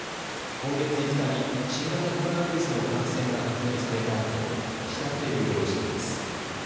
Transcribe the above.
今月５日に新型コロナウイルスの感染が確認されたあと自宅で療養しています。